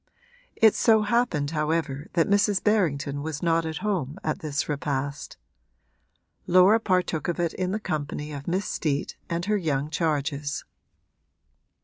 It so happened however that Mrs. Berrington was not at home at this repast; Laura partook of it in the company of Miss Steet and her young charges.